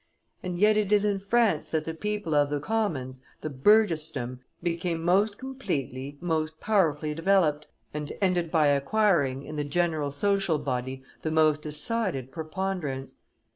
And yet it is in France that the people of the commons, the burgessdom, became most completely, most powerfully developed, and ended by acquiring, in the general social body, the most decided preponderance.